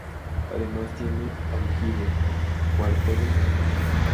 Además tiene aljibe, cuarteles y capilla.